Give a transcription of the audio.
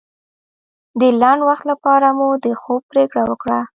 د لنډ وخت لپاره مو د خوب پرېکړه وکړه.